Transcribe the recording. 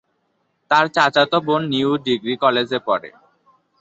তার চাচাতো বোন নিউ ডিগ্রি কলেজে পড়ে।